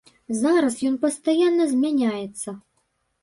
Зараз ён пастаянна змяняецца.